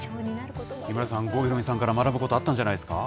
井村さん、郷ひろみさんから学ぶことあったんじゃないですか。